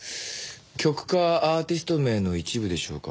曲かアーティスト名の一部でしょうか？